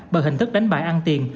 bởi hình thức đánh bạc ăn tiền